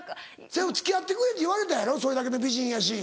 付き合ってくれって言われたやろそれだけの美人やし。